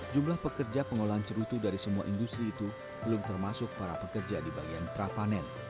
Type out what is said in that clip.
jumlah pekerja pengolahan cerutu dari semua industri itu belum termasuk para pekerja di bagian prapanen